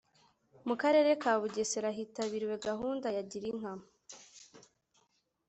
mu Karere ka Bugesera hitabiriwe gahunda ya Gira inka